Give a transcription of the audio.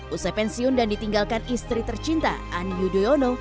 usai pensiun dan ditinggalkan istri tercinta ani yudhoyono